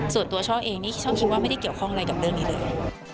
ส่วนตัวช่อเองนี่ช่อคิดว่าไม่ได้เกี่ยวข้องอะไรกับเรื่องนี้เลย